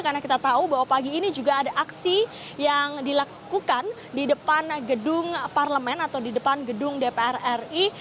karena kita tahu bahwa pagi ini juga ada aksi yang dilakukan di depan gedung parlemen atau di depan gedung dpr ri